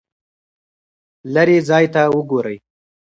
لیرې ځای ته وګورئ.